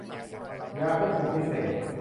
ยาควบคุมพิเศษ